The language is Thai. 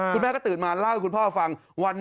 คุณแม่ก็ตื่นมาเล่าให้คุณพ่อฟัง